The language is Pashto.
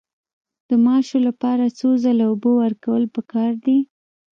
د ماشو لپاره څو ځله اوبه ورکول پکار دي؟